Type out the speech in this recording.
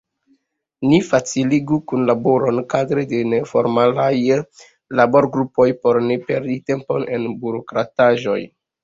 Ni faciligu kunlaboron kadre de neformalaj laborgrupoj por ne perdi tempon en burokrataĵoj.